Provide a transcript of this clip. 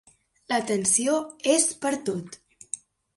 La tensió és pertot.